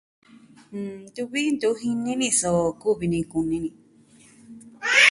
Ntuvi ntu jini ni so kuvi ni kuni ni.